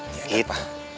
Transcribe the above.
iya gitu pak